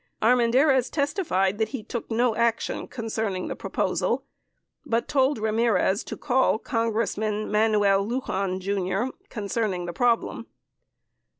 Armendariz testified that he took no action concerning the proposal but told Ramirez to call Congressman Manuel Lujan, Jr., concerning the problem.